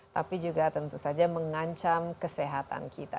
tapi juga tentu saja mengancam kesehatan kita